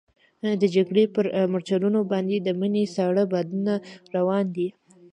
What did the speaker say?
د جګړې پر مورچلونو باندې د مني ساړه بادونه روان دي.